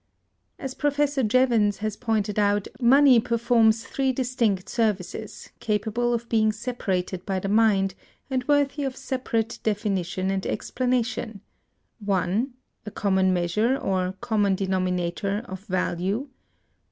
As Professor Jevons(220) has pointed out, money performs three distinct services, capable of being separated by the mind, and worthy of separate definition and explanation: 1. A Common Measure, or Common Denominator, of Value.